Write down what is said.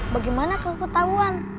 bagaimana aku ketahuan